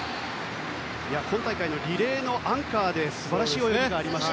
今大会のリレーのアンカーで素晴らしい泳ぎがありました。